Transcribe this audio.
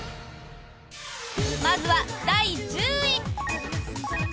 まずは、第１０位。